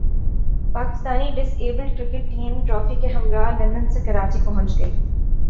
Pakistani disabled cricket team trophy کے ہمراہ London سے کراچی پہنچ گئی